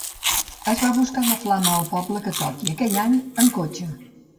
Es va a buscar la flama al poble que toqui aquell any en cotxe.